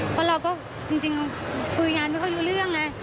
เพราะเราก็จริงคุยงานไม่ค่อยรู้เรื่องไง